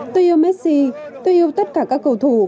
tôi yêu messi tôi yêu tất cả các cầu thủ